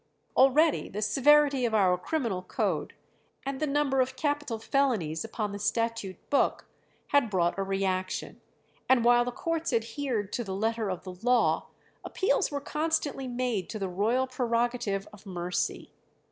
Already the severity of our criminal code, and the number of capital felonies upon the statute book, had brought a reaction; and while the courts adhered to the letter of the law, appeals were constantly made to the royal prerogative of mercy.